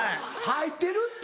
入ってるって。